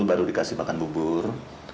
baru dikasih makan bubur